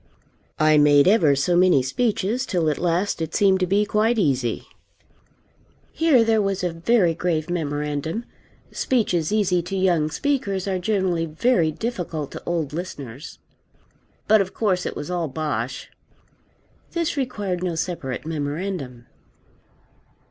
I made ever so many speeches, till at last it seemed to be quite easy. Here there was a very grave memorandum. Speeches easy to young speakers are generally very difficult to old listeners. But of course it was all bosh. This required no separate memorandum.